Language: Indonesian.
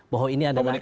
bahwa ini adalah ikhiar